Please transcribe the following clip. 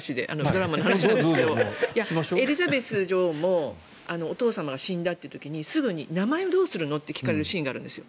ドラマの話なんですけどエリザベス女王もお父様が死んだっていう時にすぐに名前をどうするの？って聞かれるシーンがあるんです。